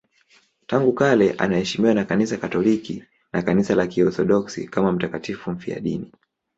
Tangu kale anaheshimiwa na Kanisa Katoliki na Kanisa la Kiorthodoksi kama mtakatifu mfiadini.